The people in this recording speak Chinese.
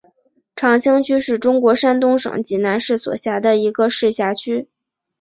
长清区是中国山东省济南市所辖的一个市辖区。